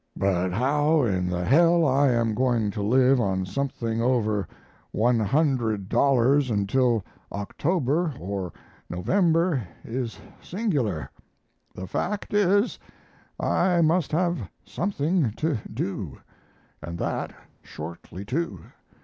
But how in the h l I am going to live on something over $100 until October or November is singular. The fact is, I must have something to do, and that shortly, too....